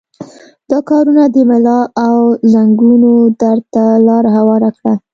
دا کارونه د ملا او زنګنونو درد ته لاره هواره کړه.